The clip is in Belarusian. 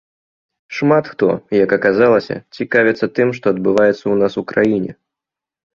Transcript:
Шмат хто, як аказалася, цікавіцца тым, што адбываецца ў нас у краіне.